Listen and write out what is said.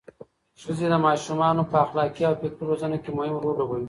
ښځې د ماشومانو په اخلاقي او فکري روزنه کې مهم رول لوبوي.